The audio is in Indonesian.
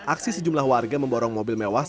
aksi sejumlah warga memborong mobil mewas